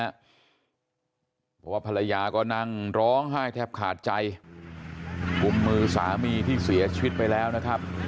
เพราะว่าภรรยาก็นั่งร้องไห้แทบขาดใจกุมมือสามีที่เสียชีวิตไปแล้วนะครับ